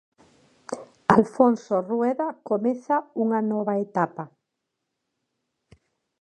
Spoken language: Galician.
Alfonso Rueda comeza unha nova etapa.